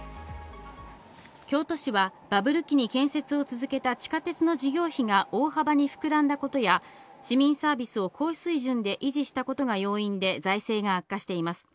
京都市はバブル期に建設を続けた地下鉄の事業費が大幅に膨らんだことや市民サービスを高水準で維持したことが要因で財政が悪化しています。